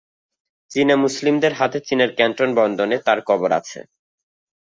চীনা মুসলিমদের মতে চীনের ক্যান্টন বন্দরে তার কবর আছে।